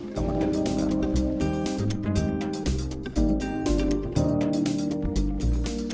ruang tidur bung karno